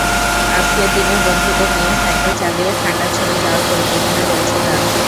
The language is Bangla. আজকের দিনেও বন্ধুদের নিয়ে সাইকেল চালিয়ে ঠান্ডাছড়ি যাওয়ার পরিকল্পনা রয়েছে তাঁর।